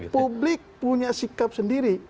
publik punya sikap sendiri